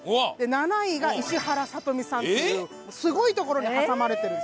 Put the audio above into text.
７位が石原さとみさんっていうすごいところに挟まれてるんです。